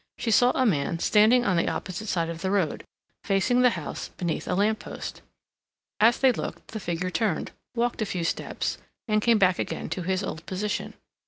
She saw a man standing on the opposite side of the road facing the house beneath a lamp post. As they looked the figure turned, walked a few steps, and came back again to his old position.